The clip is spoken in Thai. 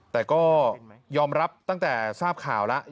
แต่ก็ยอมรับตั้งแต่ทราบข่าวแล้ว